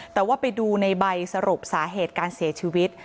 แต่ว่าไปดูในใบสรุปสาเหตุการเสียชีวิต